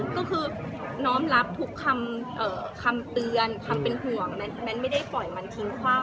ก็คือน้อมรับทุกคำเตือนคำเป็นห่วงแมทไม่ได้ปล่อยมันทิ้งคว่ำ